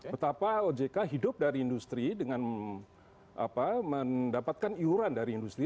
betapa ojk hidup dari industri dengan mendapatkan iuran dari industri